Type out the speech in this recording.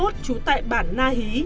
trú tại bản na hí